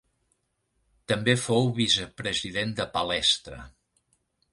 També fou vicepresident de Palestra.